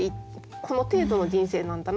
この程度の人生なんだな